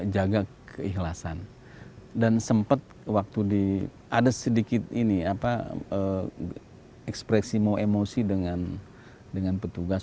jaga keikhlasan dan sempat waktu di ada sedikit ini apa ekspresi mau emosi dengan dengan petugas